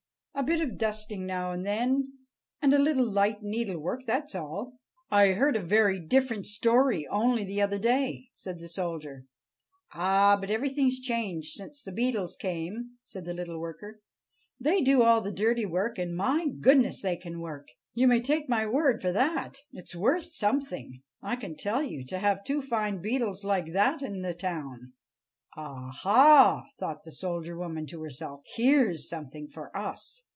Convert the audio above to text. A bit of dusting now and then, and a little light needlework; that's all." "I heard a very different story only the other day," said the soldier. "Ah, but everything's changed since the Beetles came," said the little worker. "They do all the dirty work; and, my goodness! they can work, you may take my word for that! It's worth something, I can tell you, to have two fine Beetles like that in the town!" "Aha!" thought the soldier woman to herself, "here's something for us!"